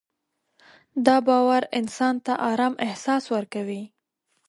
دا باور انسان ته ارام احساس ورکوي.